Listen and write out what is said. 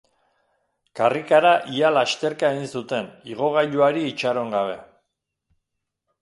Karrikara ia lasterka egin zuten, igogailuari itxaron gabe.